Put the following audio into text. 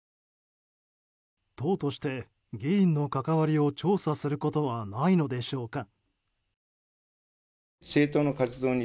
党として議員の関わりを調査することはないのでしょうか。